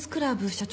社長